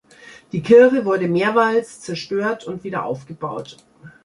Die Kirche wurde mehrmals zerstört und wieder aufgebaut.